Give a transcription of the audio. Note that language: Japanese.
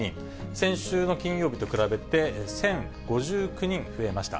先週の金曜日と比べて、１０５９人増えました。